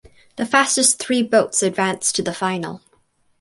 The fastest three boats advanced to the final.